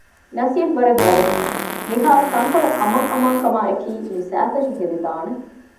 ނަސީބު ވަރަށް ގަދައެވެ! މިހާރުތަންކޮޅެއް އަމަންއަމާންކަމާއެކީ މި ސައިތަށި ހެދިދާނެ